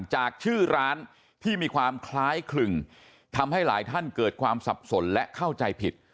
จากชื่อร้านที่มีความคล้ายคลึงทำให้หลายท่านเกิดความสับสนและเข้าใจผิด